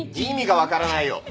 意味が分からないよ。